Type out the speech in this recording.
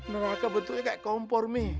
neraka bentuknya kayak kompor mie